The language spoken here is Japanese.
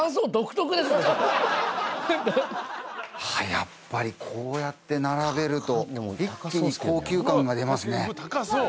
やっぱりこうやって並べると一気に高級感が出ますね。